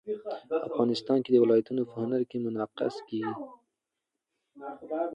افغانستان کې ولایتونه په هنر کې منعکس کېږي.